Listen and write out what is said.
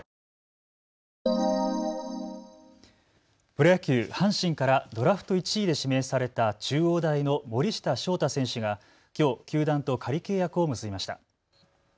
プロ野球、阪神からドラフト１位で指名された中央大の森下翔太選手がきょう球団と仮契約を結びました。